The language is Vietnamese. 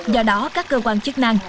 do đó các cơ quan chức năng